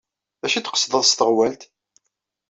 D acu ay d-tqesdeḍ s teɣwalt?